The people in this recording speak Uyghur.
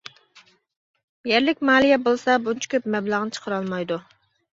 يەرلىك مالىيە بولسا بۇنچە كۆپ مەبلەغنى چىقىرالمايدۇ.